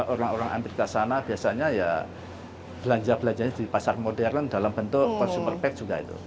orang orang amerika sana biasanya ya belanja belanjanya di pasar modern dalam bentuk consumer pack juga itu